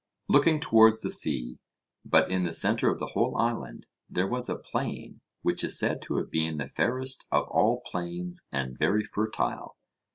Looking towards the sea, but in the centre of the whole island, there was a plain which is said to have been the fairest of all plains and very fertile.